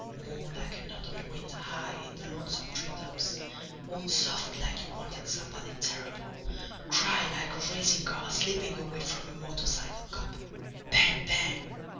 Moan like an autumn wind high in the lonesome tree tops, moan soft like you wanted somebody terrible, cry like a racing car slipping away from a motorcycle cop, bang bang!